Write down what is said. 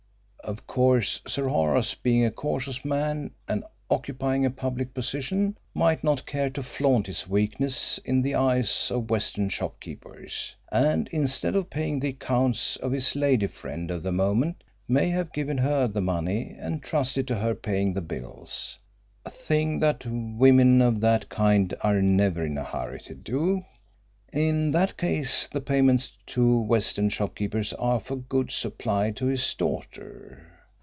Of course, Sir Horace, being a cautious man and occupying a public position, might not care to flaunt his weakness in the eyes of West End shopkeepers, and instead of paying the accounts of his lady friend of the moment, may have given her the money and trusted to her paying the bills a thing that women of that kind are never in a hurry to do. In that case the payments to West End shopkeepers are for goods supplied to his daughter.